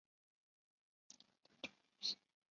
不要忘了有两种路线